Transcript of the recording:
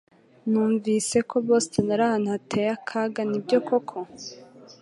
Numvise ko Boston ari ahantu hateye akaga Nibyo koko